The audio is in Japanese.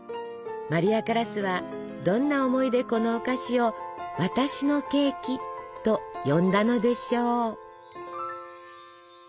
マリア・カラスはどんな思いでこのお菓子を「私のケーキ」と呼んだのでしょう。